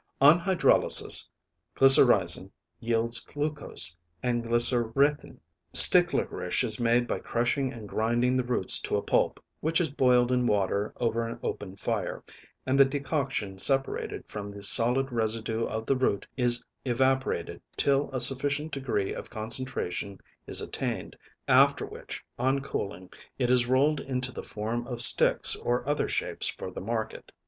On hydrolysis, glycyrrhizin yields glucose and glycyrrhetin. Stick liquorice is made by crushing and grinding the roots to a pulp, which is boiled in water over an open fire, and the decoction separated from the solid residue of the root is evaporated till a sufficient degree of concentration is attained, after which, on cooling, it is rolled into the form of sticks or other shapes for the market.